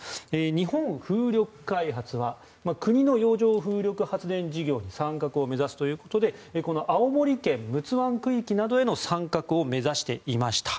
日本風力開発は国の洋上風力発電事業に参画を目指すということで青森県陸奥湾区域などへの参画を目指していました。